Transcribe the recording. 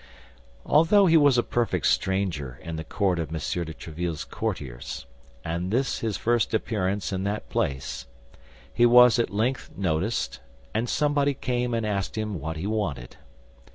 Although he was a perfect stranger in the court of M. de Tréville's courtiers, and this his first appearance in that place, he was at length noticed, and somebody came and asked him what he wanted.